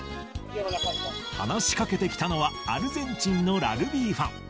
話しかけてきたのは、アルゼンチンのラグビーファン。